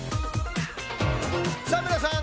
さぁ皆さん